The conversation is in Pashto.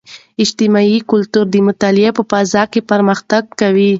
اجتماعي کلتور د مطالعې په فضاء کې پرمختګ کوي.